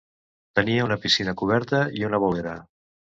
Tenia una piscina coberta i una bolera.